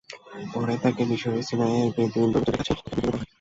পরে তাঁকে মিসরের সিনাইয়ের বেদুইন দুর্বৃত্তদের কাছে তাঁকে বিক্রি করে দেওয়া হয়।